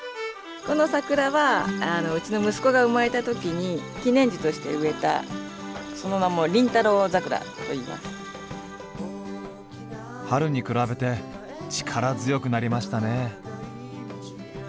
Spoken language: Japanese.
この桜はうちの息子が生まれたときに記念樹として植えたその名も春に比べて力強くなりましたね。